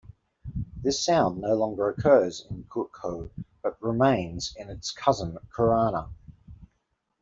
This sound no longer occurs in Khoekhoe but remains in its cousin Korana.